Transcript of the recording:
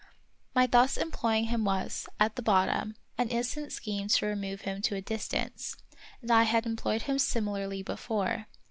My thus employing him was, at the bottom, an innocent scheme to remove him to a distance, and I had employed him similarly before.